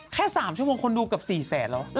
แค่๓ชั่วโมงคนดูกับ๔แสนเหรอ